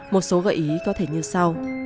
một số gợi ý có thể như sau